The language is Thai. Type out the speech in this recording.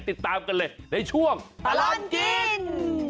ติดตามกันเลยในช่วงตลอดกิน